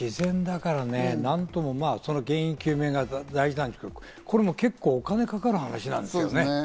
自然だからね、なんとも原因究明が大事なんだけど、結構、お金がかかる話なんですよね。